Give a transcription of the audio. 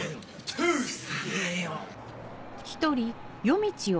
トゥース！